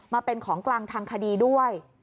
มาเป็นของกลางทางคดีด้วย